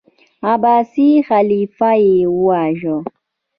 عباسي خلیفه یې وواژه.